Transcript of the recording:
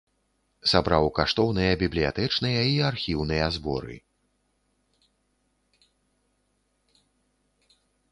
Сабраў каштоўныя бібліятэчныя і архіўныя зборы.